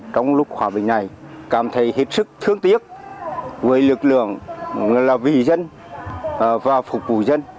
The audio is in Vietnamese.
trong lúc khóa bệnh này cảm thấy hiệt sức thương tiếc với lực lượng là vị dân và phục vụ dân